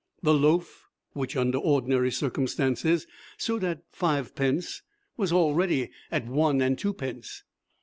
The loaf, which, under ordinary circumstances stood at fivepence, was already at one and twopence.